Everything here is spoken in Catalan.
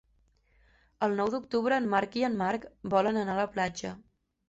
El nou d'octubre en Marc i en Marc volen anar a la platja.